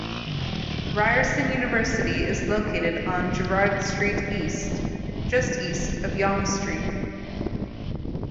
Ryerson University is located on Gerrard Street East just east of Yonge Street.